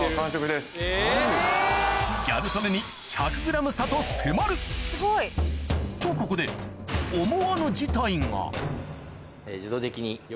ギャル曽根に１００ｇ差と迫るとここで鯛？